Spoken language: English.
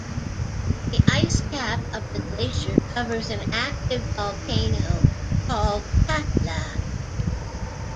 The icecap of the glacier covers an active volcano called Katla.